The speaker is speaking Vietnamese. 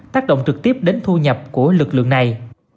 tác động trực tiếp đến thu nhập của lực lượng này